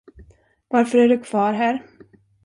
Varför är du kvar här?